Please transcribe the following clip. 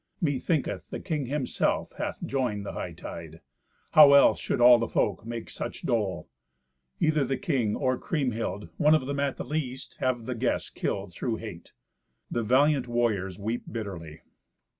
Methinketh the king himself hath joined the hightide. How else should all the folk make such dole. Either the king or Kriemhild—one of them at the least—have the guests killed through hate. The valiant warriors weep bitterly."